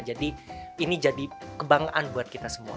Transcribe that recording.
jadi ini jadi kebanggaan buat kita semua